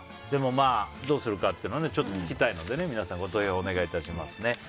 どうするかっていうのは聞きたいので皆さんご投票お願いします。